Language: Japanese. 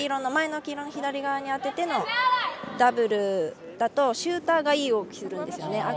前の黄色の左側に当ててのダブルだとシューターがいい動きをするんですね。